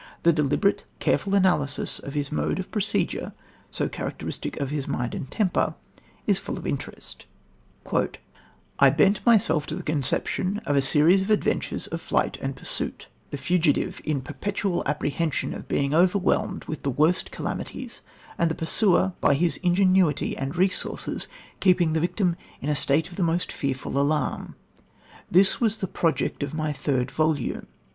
The deliberate, careful analysis of his mode of procedure, so characteristic of his mind and temper, is full of interest: "I bent myself to the conception of a series of adventures of flight and pursuit: the fugitive in perpetual apprehension of being overwhelmed with the worst calamities and the pursuer by his ingenuity and resources keeping the victim in a state of the most fearful alarm. This was the project of my third volume.